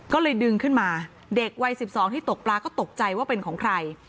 ก็เลยดึงขึ้นมาเด็กวัย๑๒ที่ตกปลาก็ตกใจว่าเป็นของใคร